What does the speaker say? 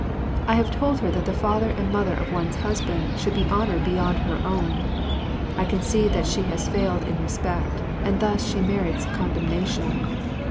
I have told her that the father and mother of one's husband should be honoured beyond her own. I can see that she has failed in respect; and thus she merits condemnation.